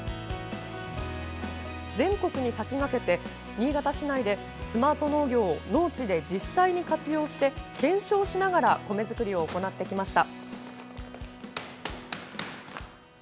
全国に先駆けて新潟市内でスマート農業を農地で実際に活用して検証しながら米作りを行ってきました。